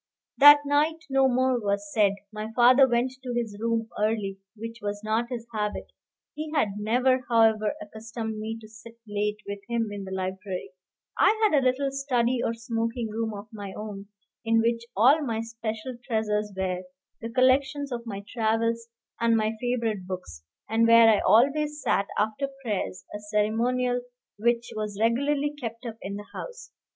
That night no more was said. My father went to his room early, which was not his habit. He had never, however, accustomed me to sit late with him in the library. I had a little study or smoking room of my own, in which all my special treasures were, the collections of my travels and my favorite books, and where I always sat after prayers, a ceremonial which was regularly kept up in the house.